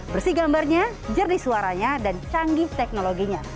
bersih gambarnya jernih suaranya dan canggih teknologinya